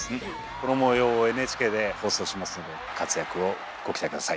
この模様をＮＨＫで放送しますので活躍をご期待下さい。